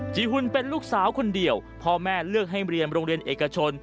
หุ่นเป็นลูกสาวคนเดียวพ่อแม่เลือกให้เรียนโรงเรียนเอกชน